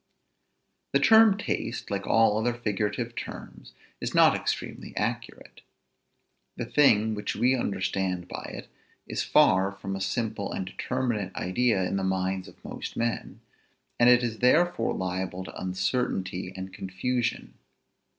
The term taste, like all other figurative terms, is not extremely accurate; the thing which we understand by it is far from a simple and determinate idea in the minds of most men, and it is therefore liable to uncertainty and confusion.